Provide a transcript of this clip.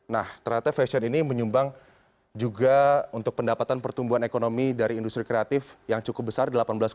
nah ternyata fashion ini menyumbang juga untuk pendapatan pertumbuhan ekonomi dari industri kreatif yang cukup besar